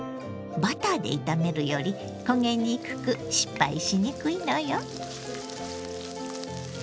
バターで炒めるより焦げにくく失敗しにくいのよ。